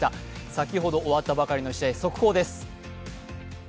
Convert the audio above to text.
先ほど終わったばかりの試合、速報です。